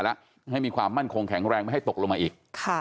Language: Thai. แล้วให้มีความมั่นคงแข็งแรงไม่ให้ตกลงมาอีก